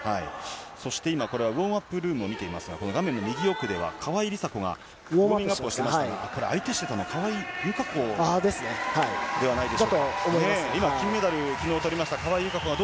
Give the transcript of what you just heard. そして今、これはウォームアップルームを見てみますが、この画面の右奥では、川井梨紗子がウォームアップをしてましたが、これ、相手していたのは川井友香子じゃないでしょうか。